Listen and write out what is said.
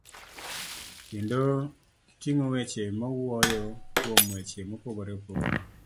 kendo giting'o weche mawuoyo kuom weche mopogore opogore.